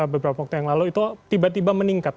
beberapa waktu yang lalu itu tiba tiba meningkat